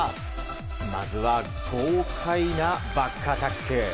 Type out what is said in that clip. まずは豪快なバックアタック。